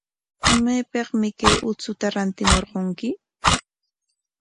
¿Maypikmi kay uchuta rantimurqunki?